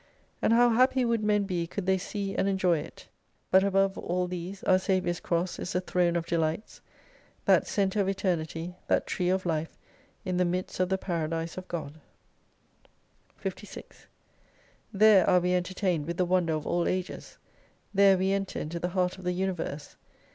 And how happy would men be could they see and enjoy it ! But above all these our Saviour's cross is the throne of delights. That Centre of Eternity, that Tree of Life in the midst of the Para dise of God ! 56 There are we entertained with the wonder of all ages. There we enter into the heart of the universe.